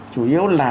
chủ yếu là